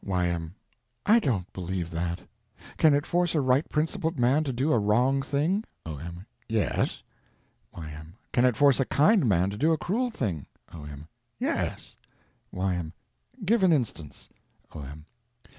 Y.M. I don't believe that. Can it force a right principled man to do a wrong thing? O.M. Yes. Y.M. Can it force a kind man to do a cruel thing? O.M. Yes. Y.M. Give an instance. O.M.